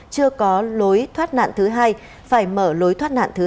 chưa có lối thoát nạn thứ hai phải mở lối thoát nạn thứ hai